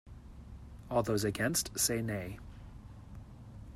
All those against, say Nay.